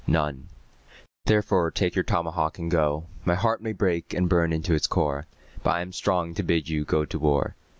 None therefore take your tomahawk and go. My heart may break and burn into its core, But I am strong to bid you go to war.